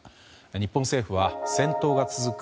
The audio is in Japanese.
日本政府は戦闘が続く